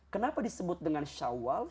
kenapa disebut dengan syawal